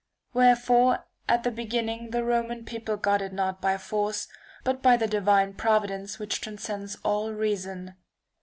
Wherefore at the beginning the Roman people got it not by force, but by the divine providence which transcends all reason.